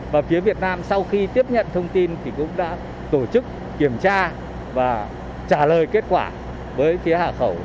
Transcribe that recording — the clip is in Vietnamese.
và phía việt nam sau khi tiếp nhận thông tin thì cũng đã tổ chức kiểm tra và trả lời kết quả với phía hạ khẩu